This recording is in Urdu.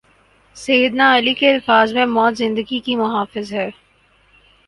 سید نا علیؓ کے الفاظ میں موت زندگی کی محافظ ہے۔